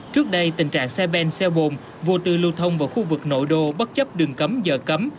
trước đây tình trạng xe ben xe bồn vô tư lưu thông vào khu vực nội đô bất chấp đường cấm giờ cấm